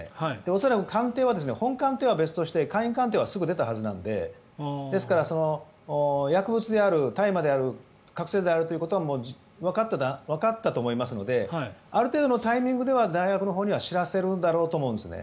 恐らく、鑑定は本鑑定は別として簡易鑑定はすぐ出たと思うのでですから、薬物である大麻である覚醒剤であるということはわかっていたと思いますのである程度のタイミングでは大学のほうでは知らせるだろうと思うんですよね。